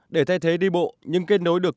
để thay thế đi bộ nhưng kết nối được